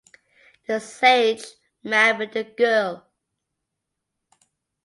The sage married the girl.